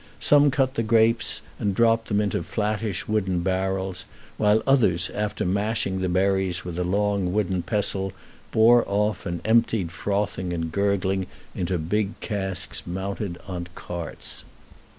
Some cut the grapes, and dropped them into the flattish wooden barrels, which others, after mashing the berries with a long wooden pestle, bore off and emptied frothing and gurgling into big casks mounted on carts.